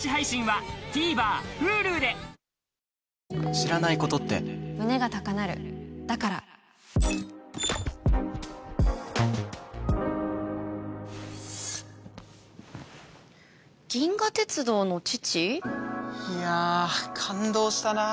知らないことって胸が高鳴るだから『銀河鉄道の父』？いや感動したな。